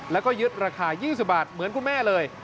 แล้วก็ยึดราคา๒๐บาทเหมือนคุณแม่เลย